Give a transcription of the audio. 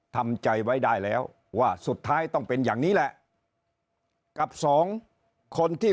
ทำใจไว้ได้แล้วว่าสุดท้ายต้องเป็นอย่างนี้แหละกับสองคนที่